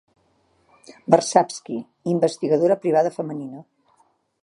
Warshawski, investigadora privada femenina.